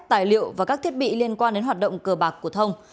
tài liệu và các thiết bị liên quan đến hoạt động cờ bạc của thông